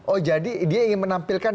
oh jadi dia ingin menampilkan